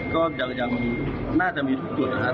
ก็ยังเรียกมีทุกจุดใช่ครับ